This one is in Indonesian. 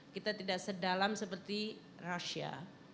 kita tidak sedalam seperti rahasia